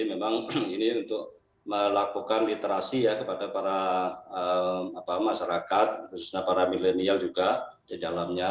memang ini untuk melakukan literasi ya kepada para masyarakat khususnya para milenial juga di dalamnya